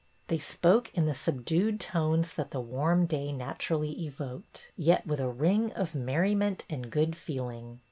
They spoke in the subdued tones that the warm day naturally evoked, yet with a ring of merri ment and good feeling.